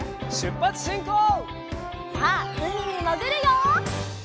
さあうみにもぐるよ！